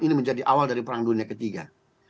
ini menjadi awal dari perang dunia ketiga